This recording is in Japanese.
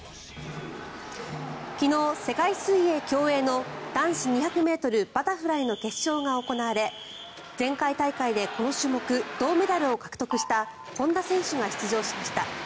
昨日、世界水泳・競泳の男子２００ｍバタフライの決勝が行われ前回大会でこの種目、銅メダルを獲得した本多選手が出場しました。